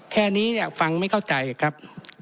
แค่นี้ฟังไม่เข้าใจครับ